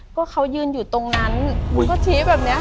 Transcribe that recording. ก็เขายืนอยู่ตรงนั้นก็ชี้แบบนี้